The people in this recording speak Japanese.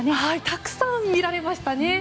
たくさん見られましたね。